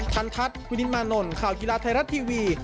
ทันทัศน์วินิตมานนท์ข่าวกีฬาไทยรัฐทีวี